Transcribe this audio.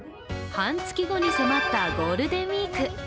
半月後に迫ったゴールデンウイーク。